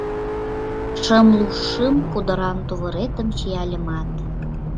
Шымлу шым кудыран тувыретым чияльымат